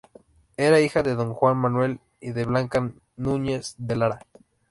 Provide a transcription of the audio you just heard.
Era hija Don Juan Manuel y de Blanca Núñez de Lara.